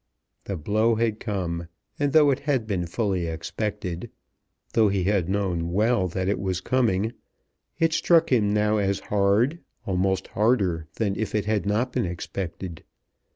The blow had come, and though it had been fully expected, though he had known well that it was coming, it struck him now as hard, almost harder than if it had not been expected.